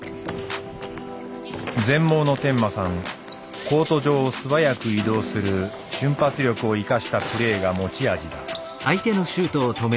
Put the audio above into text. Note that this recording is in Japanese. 全盲の天摩さんコート上を素早く移動する瞬発力を生かしたプレーが持ち味だ。